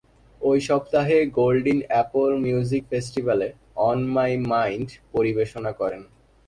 ঐ সপ্তাহে Goulding Apple Music ফেস্টিভালে "অন মাই মাইন্ড" পরিবেশনা করেন।